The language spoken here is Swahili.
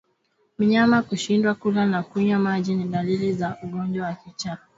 Mnyama kushindwa kula na kunywa maji ni dalili za ugonjwa wa kichaa